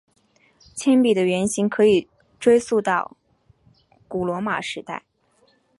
铅笔的原型可以追溯至古罗马时代。